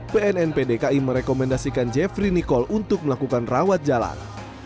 pnnp dki merekomendasikan jeffrey nicole untuk melakukan rawat jalan